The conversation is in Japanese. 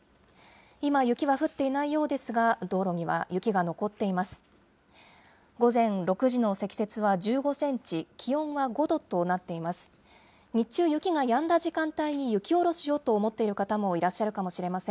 今、雪は降っていないようですが、道路には雪が残っています。